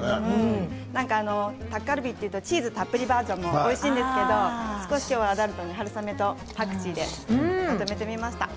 タッカルビというとチーズたっぷりバージョンもおいしいんですけど少しアダルトに春雨とパクチーでまとめてみました。